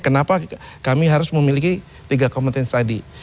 kenapa kami harus memiliki tiga kompetensi tadi